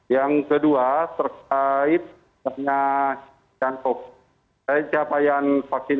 yang kedua terkait tanya siantok